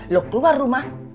lo keluar rumah